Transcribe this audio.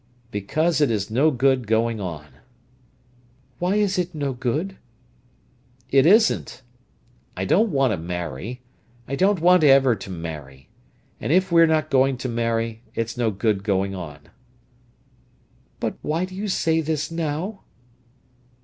"Because it's no good going on." "Why is it no good?" "It isn't. I don't want to marry. I don't want ever to marry. And if we're not going to marry, it's no good going on." "But why do you say this now?"